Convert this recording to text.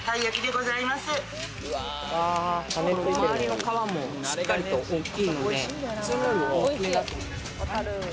周りの皮も、しっかりと大きいので、普通のより大きいなと思います。